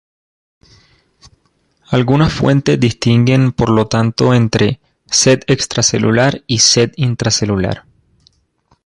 Algunas fuentes distinguen por lo tanto entre "sed extracelular" y "sed intracelular".